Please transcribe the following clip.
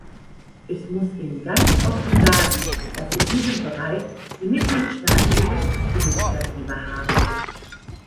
Ich muss Ihnen ganz offen sagen, dass in diesem Bereich die Mitgliedstaaten Gesetzesinitiative haben.